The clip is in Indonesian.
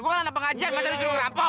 gue kan anak pengajian masa disuruh ngerampok